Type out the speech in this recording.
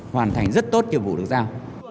hoàn thành rất tốt nhiệm vụ được giao